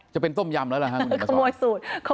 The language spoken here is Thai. จะเป็นต้มยำแล้วละครับ